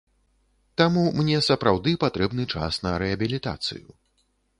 Таму мне сапраўды патрэбны час на рэабілітацыю.